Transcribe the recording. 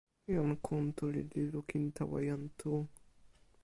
jan Kuntuli li lukin tawa jan Tu.